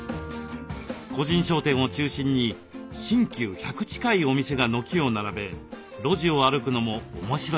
個人商店を中心に新旧１００近いお店が軒を並べ路地を歩くのも面白いそうです。